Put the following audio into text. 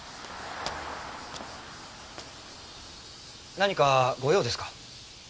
何かご用ですか？